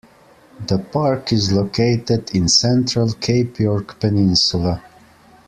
The park is located in central Cape York Peninsula.